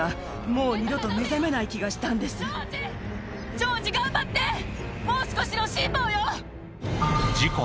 ジョージ頑張ってもう少しの辛抱よ！